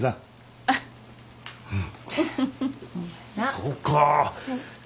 そうか。